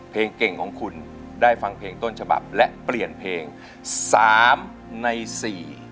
เพลงเก่งของคุณได้ฟังเพลงต้นฉบับและเปลี่ยนเพลงสามในสี่